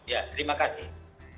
ya terima kasih